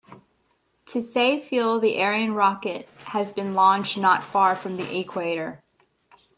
To save fuel, the Ariane rocket has been launched not far from the equator.